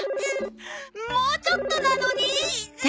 もうちょっとなのに！